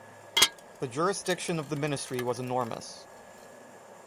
The jurisdiction of the ministry was enormous.